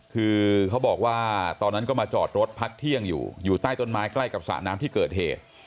คือเขาบอกว่าตอนนั้นก็มาจอดรถพักเที่ยงอยู่อยู่ใต้ต้นไม้ใกล้กับสระน้ำที่เกิดเหตุ